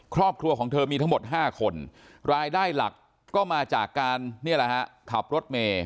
ครอบครัวของเธอมีทั้งหมด๕คนรายได้หลักก็มาจากการขับรถเมษ